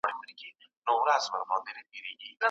هغه سړی چې په موټر کې و ډېر مغرور ښکارېده.